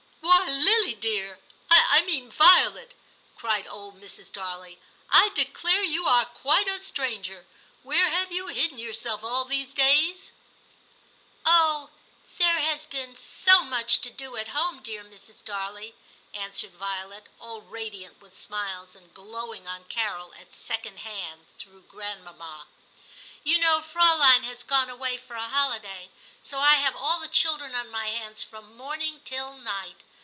* Why, Lily dear, — I mean Violet !' cried old Mrs. Darley, * I declare you are quite a stranger ; where have you hidden yourself all these days ?' *0h! there has been so much to do at home, dear Mrs. Darley,' answered Violet, all radiant with smiles, and glowing on Carol at second hand through grandmamma. *You know Fraulein has gone away for a holiday, so XII TIM 279 I have all the children on my hands from morning till night.